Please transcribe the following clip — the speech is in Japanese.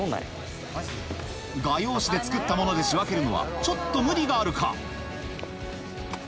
画用紙で作ったもので仕分けるのはちょっと無理があるか